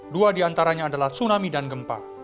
dua di antaranya adalah tsunami dan gempa